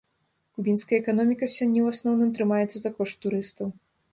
Кубінская эканоміка сёння ў асноўным трымаецца за кошт турыстаў.